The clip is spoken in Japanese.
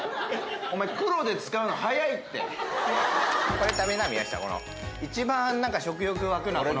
これ食べな宮下一番食欲湧くのはこの赤い。